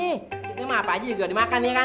ini mah apa aja juga dimakan ya kan